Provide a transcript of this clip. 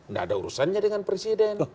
nggak ada urusannya dengan presiden